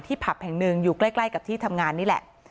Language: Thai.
ผับแห่งหนึ่งอยู่ใกล้กับที่ทำงานนี่แหละ